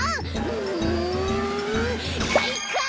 うんかいか！